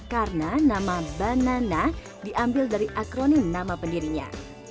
karena nama banana diambil dari akronim nama pendirinya